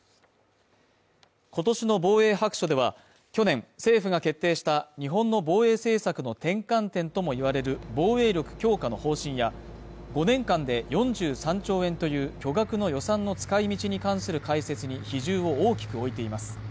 今年の防衛白書では去年政府が決定した日本の防衛政策の転換点ともいわれる防衛力強化の方針や５年間で４３兆円という巨額の予算の使い道に関する解説に比重を置きていています